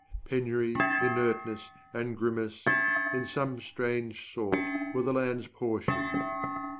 penury, inertness, and grimace, In some strange sort, were the land's portion.